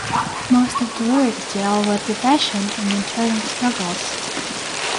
Most of the lyrics deal with depression and internal struggles.